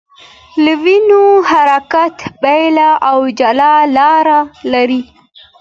د وینو حرکت بېل او جلا لار لري.